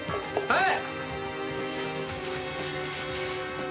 はい！